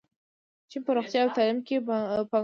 چین په روغتیا او تعلیم کې پانګونه کوي.